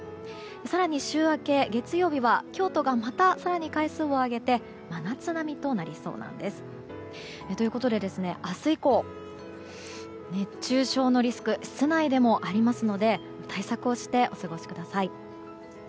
更に週明け月曜日は京都がまた階数を上げて真夏並みとなりそうなんです。ということで、明日以降熱中症のリスクが室内でもありますので対策をしてお過ごしください。